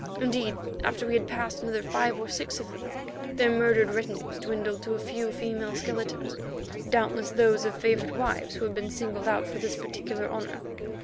Indeed, after we had passed another five or six of them, their murdered retinues dwindled to a few female skeletons, doubtless those of favourite wives who had been singled out for this particular honour.